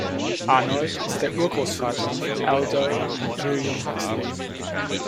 Arnold ist der Urgroßvater von Aldous und Julian Huxley.